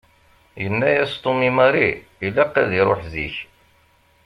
Yenna-yas Tom i Mary ilaq ad iruḥ zik.